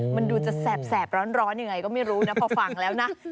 มันดูจะแสบร้อนยังไงก็ไม่รู้นะพอฟังแล้วนะ